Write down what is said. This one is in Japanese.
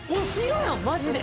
マジで。